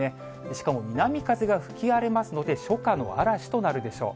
しかも南風が吹き荒れますので、初夏の嵐となるでしょう。